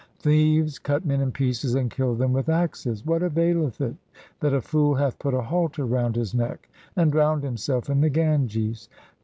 thieves cut men in pieces and kill them with axes. What availeth it that a fool hath put a halter round his neck and drowned himself in the Ganges